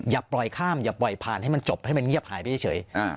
อย่าปล่อยข้ามอย่าปล่อยผ่านให้มันจบให้มันเงียบหายไปเฉย